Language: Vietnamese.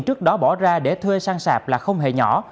trước đó bỏ ra để thuê săn sạp là không hề nhỏ